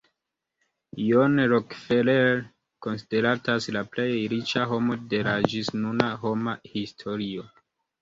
John Rockefeller konsideratas la plej riĉa homo de la ĝisnuna homa historio.